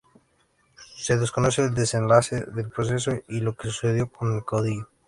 Se desconoce el desenlace del proceso y lo que sucedió con el caudillo.